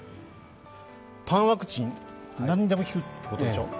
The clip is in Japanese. パンワクチン、何でも効くということでしょう。